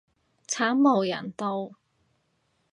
慘無人道